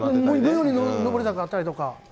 妙に上り坂だったりとか。